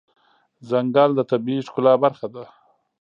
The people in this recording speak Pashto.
ځنګل د طبیعي ښکلا برخه ده.